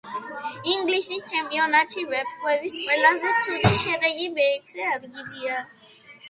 ინგლისის ჩემპიონატში „ვეფხვების“ ყველაზე ცუდი შედეგი მეექვსე ადგილია.